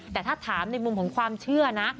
แต่ถ้าถามในมุมของความเชื่อนะ